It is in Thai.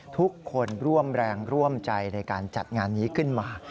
ทุกคนร่วมแรงร่วมใจในการจัดงานนี้ขึ้นมา